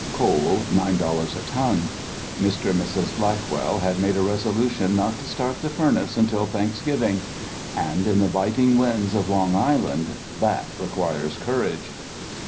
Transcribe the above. Coal nine dollars a ton. Mr. and Mrs. Blackwell had made a resolution not to start the furnace until Thanksgiving. And in the biting winds of Long Island that requires courage.